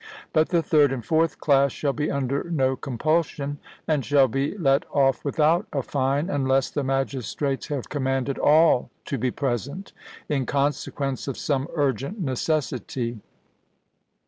But the third and fourth class shall be under no compulsion, and shall be let off without a fine, unless the magistrates have commanded all to be present, in consequence of some urgent necessity.